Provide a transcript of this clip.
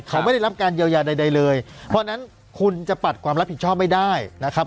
เขาไม่ได้รับการเยียวยาใดเลยเพราะฉะนั้นคุณจะปัดความรับผิดชอบไม่ได้นะครับ